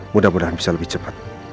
mudah mudahan bisa lebih cepat